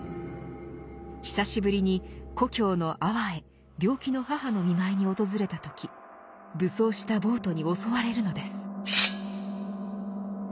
久しぶりに故郷の安房へ病気の母の見舞いに訪れた時武装した暴徒に襲われるのです。